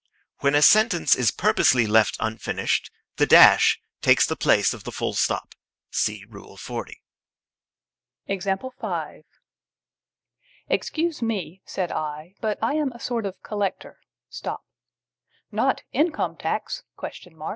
When a sentence is purposely left unfinished, the dash takes the place of the full stop. (See Rule XL.) "Excuse me," said I, "but I am a sort of collector." "Not Income tax?"